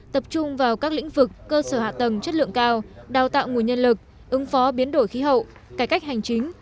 tập trung vào các lĩnh vực cơ sở hạ tầng chất lượng cao đào tạo nguồn nhân lực ứng phó biến đổi khí hậu cải cách hành chính